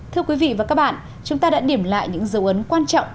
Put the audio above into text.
thưa quý vị và các bạn chúng ta đã điểm lại những dấu ấn quan trọng